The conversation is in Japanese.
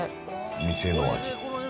店の味。